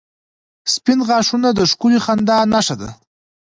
• سپین غاښونه د ښکلي خندا نښه ده.